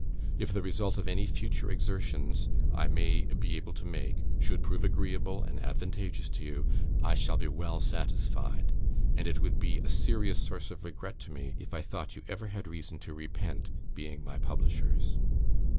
If the result of any future exertions I may be able to make should prove agreeable and advantageous to you, I shall be well satisfied; and it would be a serious source of regret to me if I thought you ever had reason to repent being my publishers.